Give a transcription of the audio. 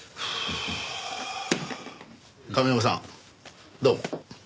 亀山さんどうも。